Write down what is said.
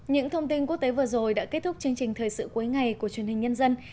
những thông tin quốc tế vừa rồi đã kết thúc chương trình thời sự cuối ngày của truyền hình nhân dân